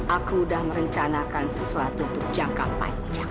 aku udah merencanakan sesuatu untuk jangka panjang